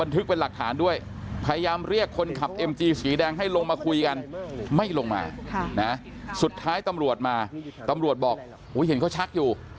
พยายามเรียกคนขับเอ็มจีสีแดงให้ลงมาคุยกันไม่ลงมาสุดท้ายตำรวจมาตำรวจบอกเห็นเขาชักอยู่